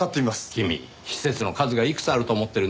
君施設の数がいくつあると思ってるんですか？